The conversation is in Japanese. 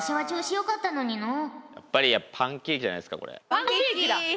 パンケーキだ。